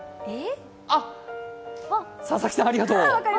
あ、佐々木さん、ありがとう。